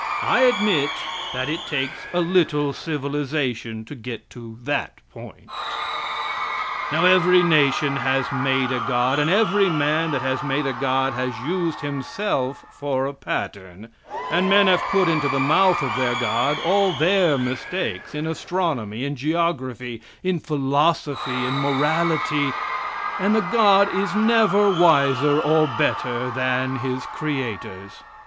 I admit that it takes a little civilization to get to that point. Now every nation has made a god, and every man that has made a god has used himself for a pattern; and men have put into the mouth of their god all their mistakes in astronomy, in geography, in philosophy, in morality, and the god is never wiser or better than his creators.